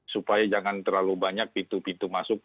supaya jangan terlalu banyak pintu pintu masuk